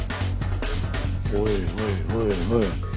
おいおいおいおい。